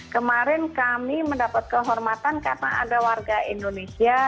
kemarin kami mendapat kehormatan karena ada warga indonesia